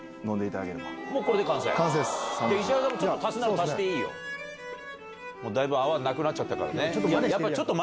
だいぶ泡なくなっちゃったからね。